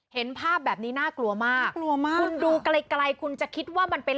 เห็นภาพแบบนี้น่ากลัวมากน่ากลัวมากคุณดูไกลไกลคุณจะคิดว่ามันเป็น